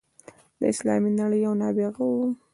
د اسلامي نړۍ یو نابغه وو.